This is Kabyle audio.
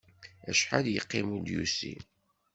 Acḥal yeqqim ur d-yusi?